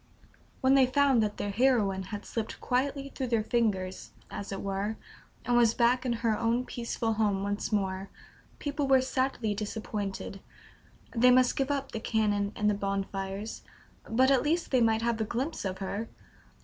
When they found that their heroine had slipped quietly through their fingers, as it were, and was back in her own peaceful home once more, people were sadly disappointed. They must give up the cannon and the bonfires; but at least they might have a glimpse of her!